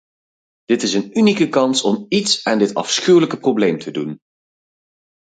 Dit is een unieke kans om iets aan dit afschuwelijke probleem te doen.